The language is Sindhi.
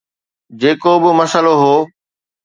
جيڪو به مسئلو هو.